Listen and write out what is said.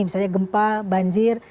misalnya gempa banjir